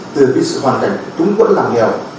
từ cái sự hoàn cảnh trúng quẫn làm nghèo